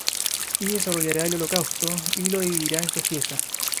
Y desollará el holocausto, y lo dividirá en sus piezas.